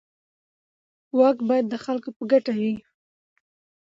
واک باید د خلکو په ګټه وي.